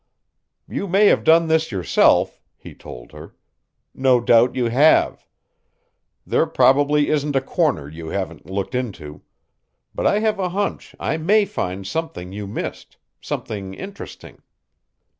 "You may have done this yourself," he told her. "No doubt you have. There probably isn't a corner you haven't looked into. But I have a hunch I may find something you missed something interesting."